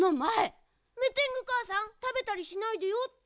「メテングかあさんたべたりしないでよ」って。